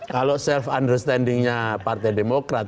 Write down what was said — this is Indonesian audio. kalau self understanding nya partai demokrat